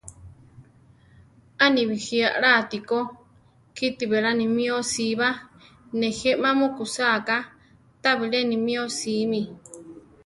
A ni bijí alá atíko, kiti beláni mí osíba; nejé ma mukúsa ka, tabilé ni mi osími.